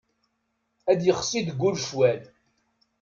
Ad yexsi deg ul ccwal.